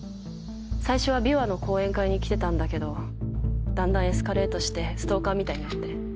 最初は琵琶の公演会に来てたんだけどだんだんエスカレートしてストーカーみたいになって。